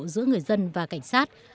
giữa người dân và cảnh sát